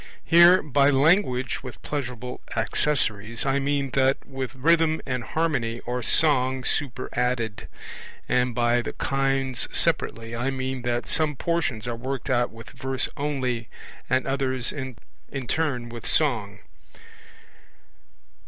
Here by 'language with pleasurable accessories' I mean that with rhythm and harmony or song superadded; and by 'the kinds separately' I mean that some portions are worked out with verse only, and others in turn with song.